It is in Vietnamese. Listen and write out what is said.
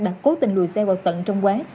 đã cố tình lùi xe vào tận trong quán